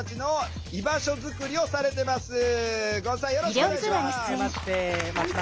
よろしくお願いします。